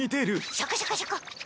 シャカシャカシャカ。